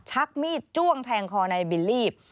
ชักมีดจ้วงแทงคอนายบิลลี่